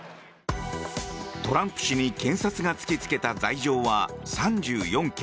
トランプ氏に検察が突きつけた罪状は３４件。